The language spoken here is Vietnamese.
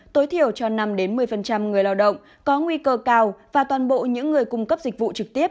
tối thiểu cho năm một mươi người lao động có nguy cơ cao và toàn bộ những người cung cấp dịch vụ trực tiếp